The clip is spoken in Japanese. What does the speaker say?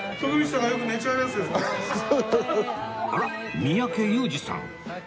あらっ三宅裕司さん